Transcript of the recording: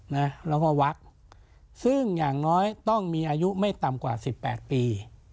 นะแล้วก็วักซึ่งอย่างน้อยต้องมีอายุไม่ต่ำกว่าสิบแปดปี